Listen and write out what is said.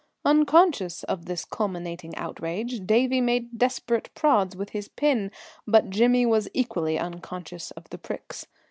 Unconscious of this culminating outrage, Davie made desperate prods with his pin, but Jimmy was equally unconscious of the pricks.